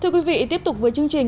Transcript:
thưa quý vị tiếp tục với chương trình